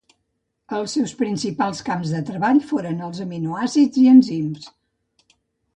Els seus principals camps de treball foren els aminoàcids i enzims.